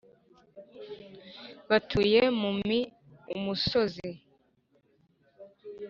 batuye mu mi umusozi